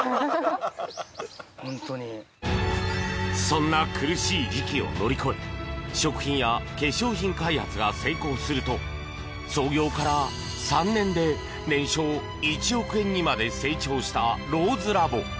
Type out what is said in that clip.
そんな苦しい時期を乗り越え食品や化粧品開発が成功すると創業から３年で年商１億円にまで成長したＲＯＳＥＬＡＢＯ。